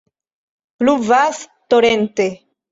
Pluvas torente.